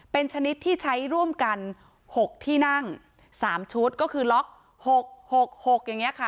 เป็นชนิดที่ใช้ร่วมกัน๖ที่นั่ง๓ชุดก็คือล็อก๖๖อย่างนี้ค่ะ